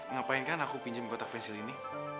ngapain kan aku pinjam kotak pensil ini